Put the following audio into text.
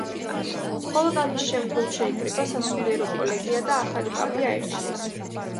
მხოლოდ ამის შემდგომ შეიკრიბა სასულიერო კოლეგია და ახალი პაპი აირჩიეს.